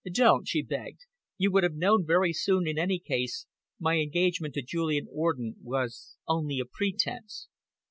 "Don't," she begged. "You would have known very soon, in any case my engagement to Julian Orden was only a pretence."